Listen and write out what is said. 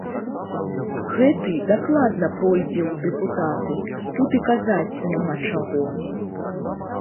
Гэты дакладна пройдзе ў дэпутаты, тут і казаць няма чаго.